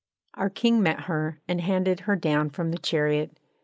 Our King met her and handed her down from the chariot.